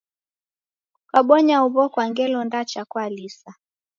Kukabonya huw'o kwa ngelo ndacha kwalisa.